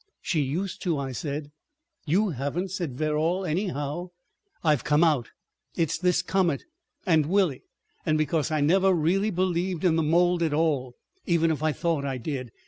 "She used to," I said. "You haven't," said Verrall, "anyhow." "I've come out. It's this comet. And Willie. And because I never really believed in the mold at all—even if I thought I did.